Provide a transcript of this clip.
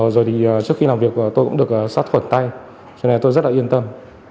rồi thì trước khi làm việc tôi cũng được sát khuẩn tay cho nên tôi rất là yên tâm